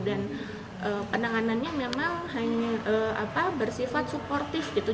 dan penanganannya memang bersifat suportif gitu